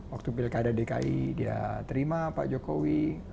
waktu pilkada dki dia terima pak jokowi